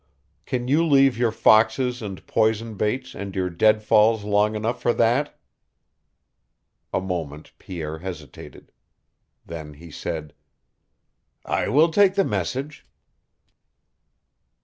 Can you leave your foxes and poison baits and your deadfalls long enough for that?" A moment Pierre hesitated. Then he said: "I will take the message."